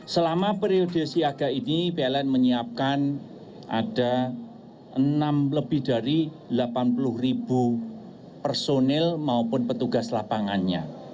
selama periode siaga ini pln menyiapkan ada enam lebih dari delapan puluh ribu personil maupun petugas lapangannya